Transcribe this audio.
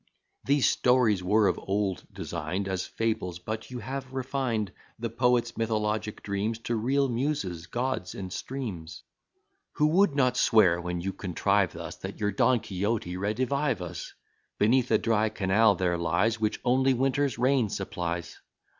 These stories were of old design'd As fables: but you have refined The poets mythologic dreams, To real Muses, gods, and streams. Who would not swear, when you contrive thus, That you're Don Quixote redivivus? Beneath, a dry canal there lies, Which only Winter's rain supplies.